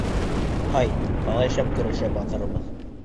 Һай, ҡалай шәп көрәшә батырыбыҙ!